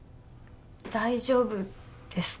大丈夫ですか？